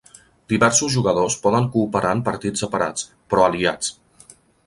Diversos jugadors poden cooperar en partits separats, però aliats.